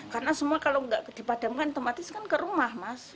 karena semua kalau tidak dipadamkan tempatnya kan ke rumah mas